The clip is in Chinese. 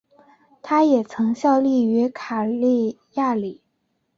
他也曾效力于卡利亚里。